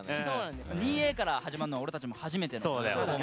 ２Ａから始まるのは俺たちも初めての。